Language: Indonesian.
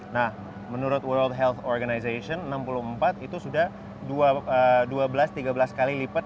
nah menurut world health organization enam puluh empat itu sudah dua belas tiga belas kali lipat